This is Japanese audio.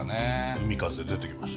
海風出てきました。